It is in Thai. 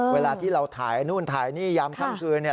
เวลาที่เราถ่ายนู่นถ่ายนี่ยามค่ำคืนเนี่ย